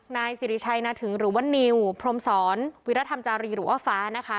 นายสิริชัยนาถึงหรือว่านิวพรมศรวิรธรรมจารีหรือว่าฟ้านะคะ